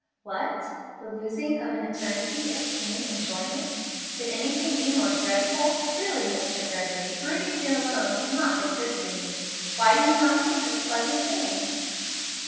"What! the losing of an eternity of keen enjoyment? Could anything be more dreadful! Really, Mr. Gregory, brooding here alone has not been good for you. Why do you not think of pleasant things?"